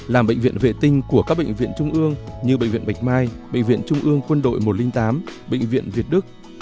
làm bệnh viện vệ tinh của các bệnh viện trung ương như bệnh viện bạch mai bệnh viện trung ương quân đội một trăm linh tám bệnh viện việt đức